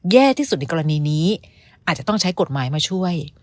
แย่ที่สุดในกรณีนี้อาจจะต้องใช้กฎหมายมาช่วย